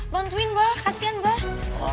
bantuin bapak kasian bapak